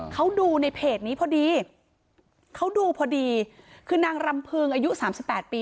เขาดูในเพจนี้พอดีเขาดูพอดีคือนางรำพึงอายุสามสิบแปดปี